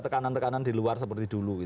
tekanan tekanan di luar seperti dulu